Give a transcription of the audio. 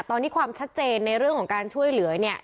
ตอนนี้ความชัดเจนในเรื่องของการช่วยเหลือเนี่ย